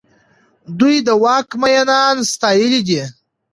دوی د واک مينان ستايلي دي.